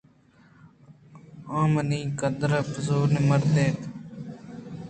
آنیامی قدءِپزّوریں مردکے ات